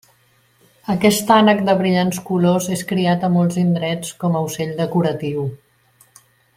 Aquest ànec de brillants colors és criat a molts indrets com a ocell decoratiu.